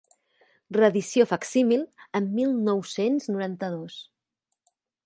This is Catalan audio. Reedició facsímil en mil nou-cents noranta-dos.